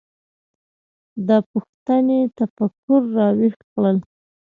دا پوښتنې تفکر راویښ کړل.